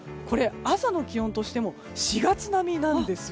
朝の気温としても４月並みなんです。